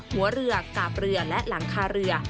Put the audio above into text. หัวเรือกาบเรือและหลังคาเรือ